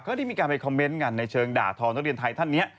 ได้มีการไปคอมเมนต์กันในเชิงด่าทองนักเรียนไทยท่านนี้